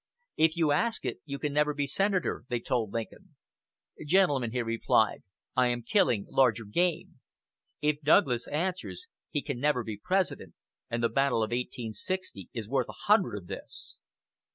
"If you ask it, you can never be senator," they told Lincoln. "Gentlemen," he replied, "I am killing larger game. If Douglas answers he can never be President, and the battle of 1860 is worth a hundred of this."